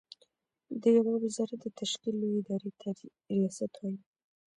د يوه وزارت د تشکيل لويې ادارې ته ریاست وايې.